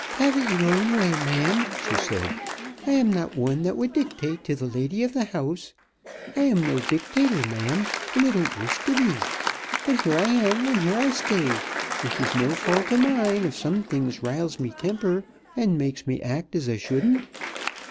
"Have it yer own way, ma'am," she said. "I am not one that would dictate t' th' lady of th' house. I am no dictator, ma'am, an' I don't wish t' be, but here I am an' here I stay, an' 'tis no fault of mine if some things riles me temper and makes me act as I shouldn't.